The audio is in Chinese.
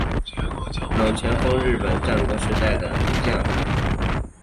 冷泉隆丰是日本战国时代的武将。